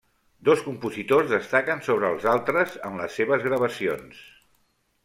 Dos compositors destaquen sobre els altres en les seves gravacions: